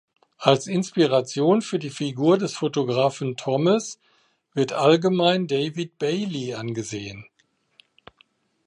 Als Inspiration für die Figur des Fotografen Thomas wird allgemein David Bailey angesehen.